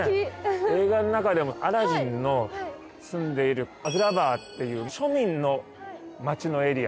映画の中でもアラジンの住んでいるアグラバーっていう庶民の町のエリア。